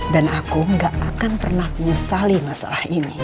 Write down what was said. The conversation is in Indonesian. dan aku gak akan pernah menyesali masalah ini